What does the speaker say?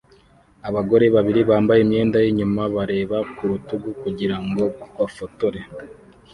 Abagore babiri bambaye imyenda yinyuma bareba ku rutugu kugirango bafotore